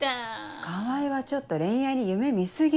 川合はちょっと恋愛に夢見過ぎ。